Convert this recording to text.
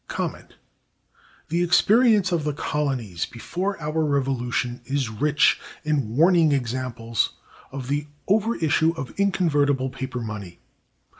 The experience of the colonies before our Revolution is rich in warning examples of the over issue of inconvertible paper money.